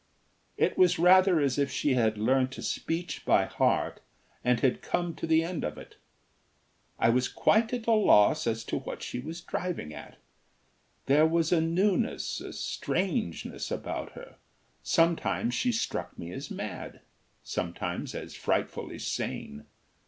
It was rather as if she had learnt a speech by heart and had come to the end of it. I was quite at a loss as to what she was driving at. There was a newness, a strangeness about her; sometimes she struck me as mad, sometimes as frightfully sane.